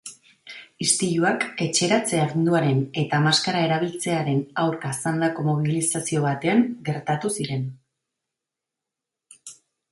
Istiluak etxeratze-aginduaren eta maskara erabiltzearen aurka zandako mobilizazio batean gertatu ziren.